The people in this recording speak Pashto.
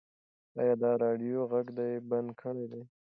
ایا د راډیو غږ دې بند کړی دی؟